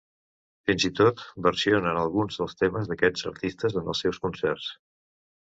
Fins i tot versionen alguns dels temes d'aquests artistes en els seus concerts.